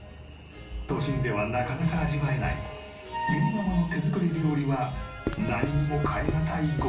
都心ではなかなか味わえないゆにママの手作り料理は何にも代えがたいごちそう。